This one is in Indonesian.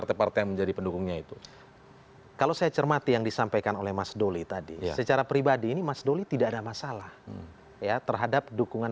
tetapi kan yang dipersoalkan